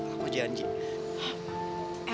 itu itu itu itu itu